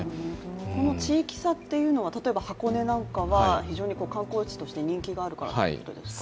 この地域差というのは、例えば箱根なんかは観光地として人気があるからということですか？